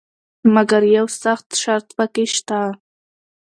مګر یو سخت شرط پکې شته.